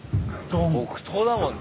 木刀だもんね。